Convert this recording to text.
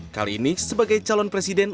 kali ini sebagai calon presiden